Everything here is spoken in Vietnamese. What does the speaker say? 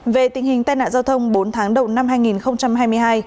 về tình hình tai nạn giao thông bốn tháng đầu năm hai nghìn hai mươi hai